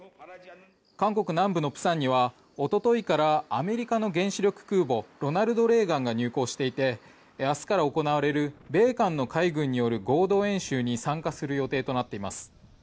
韓国南部の釜山にはおとといからアメリカの原子力空母「ロナルド・レーガン」が入港していて今月末に行われる米韓の海軍による合同演習に参加する予定となっています。